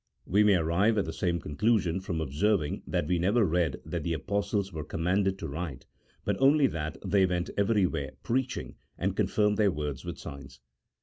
We may arrive at the same conclusion from observing that we never read that the Apostles were commanded to write, but only that they went everywhere preaching, and confirmed their words with signs.